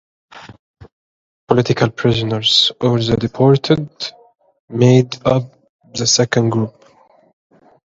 Political prisoners, or the 'deported', made up the second group.